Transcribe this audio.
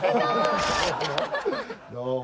どうも。